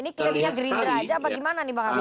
ini klipnya gerindra aja apa gimana nih pak